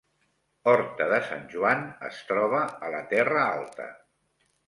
Horta de Sant Joan es troba a la Terra Alta